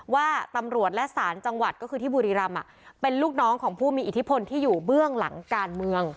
ว่าตำรวจและสารจังหวัดก็คือที่บุรีรำเป็นลูกน้องของผู้มีอิทธิพลที่อยู่เบื้องหลังการเมือง